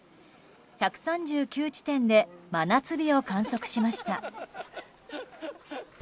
１３９地点で真夏日を観測しました。